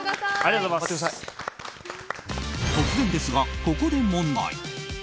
突然ですが、ここで問題。